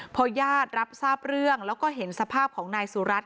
พอญาติรับทราบเรื่องแล้วก็เห็นสภาพของนายสุรัตน